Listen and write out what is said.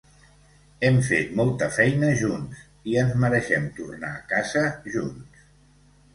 Hem fet molta feina junts i ens mereixem tornar a casa junts.